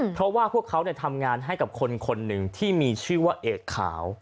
เพราะว่าพวกเขาทำงานให้กับคนคนหนึ่งที่มีชื่อว่าเอกขาว